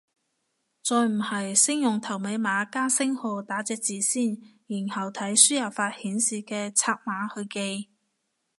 再唔係先用頭尾碼加星號打隻字先，然後睇輸入法顯示嘅拆碼去記